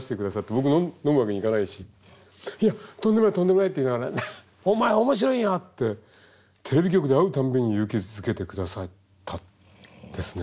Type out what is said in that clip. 僕飲むわけにいかないし「いやとんでもないとんでもない」って言いながら「お前面白いんや」ってテレビ局で会うたんびに勇気づけてくださったですね。